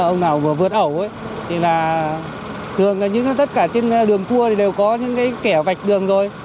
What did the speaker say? ông nào vừa vượt ẩu thì thường như tất cả trên đường cua đều có những kẻ vạch đường rồi